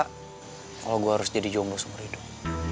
kalau gue harus jadi jomblo seumur hidup